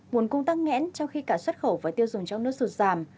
nguồn cung tăng ngẽn trong khi cả xuất khẩu và tiêu dùng trong nước sụt giảm